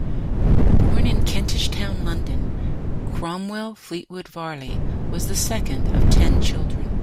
Born in Kentish Town, London, Cromwell Fleetwood Varley was the second of ten children.